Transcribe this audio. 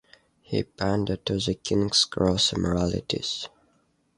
He pandered to the king's gross immoralities.